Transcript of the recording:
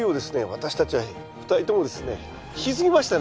私たちは２人ともですね引き継ぎましたね。